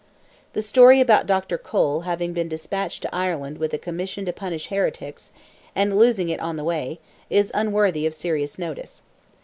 The story about Dr. Cole having been despatched to Ireland with a commission to punish heretics, and, losing it on the way, is unworthy of serious notice.